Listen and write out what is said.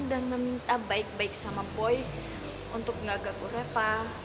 dan meminta baik baik sama boy untuk ngagak ureva